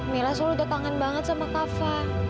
mila selalu udah kangen banget sama kak fah